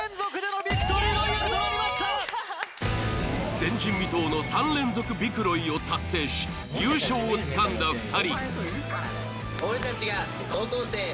前人未到の３連続ビクロイを達成し優勝をつかんだ２人。